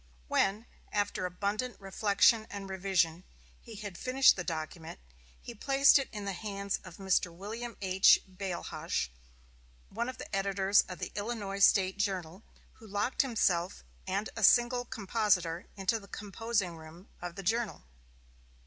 When, after abundant reflection and revision, he had finished the document, he placed it in the hands of Mr. William H. Bailhache, one of the editors of the "Illinois State Journal," who locked himself and a single compositor into the composing room of the "Journal."